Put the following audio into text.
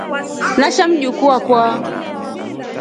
Nashaa Mjukuu akwa.